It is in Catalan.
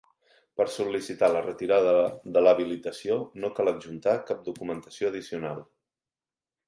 Per sol·licitar la retirada de l'habilitació no cal adjuntar cap documentació addicional.